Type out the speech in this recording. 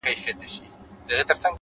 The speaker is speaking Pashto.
ښه نیت د ښه عمل پیل دی’